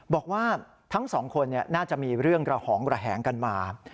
บอกว่าทั้งสองคนน่าจะมีเรื่องระหองระแหงกันมา